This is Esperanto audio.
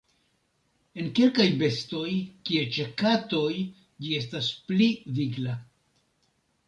En kelkaj bestoj, kiel ĉe katoj ĝi estas pli vigla.